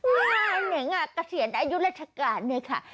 งานหนึ่งเกษียณอายุราชการเนี่ยค่ะ